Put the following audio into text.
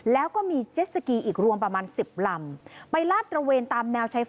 แล้วก็มีเจ็ดสกีอีกรวมประมาณ๑๐ลำไปลาดตระเวนตามแนวชายฝน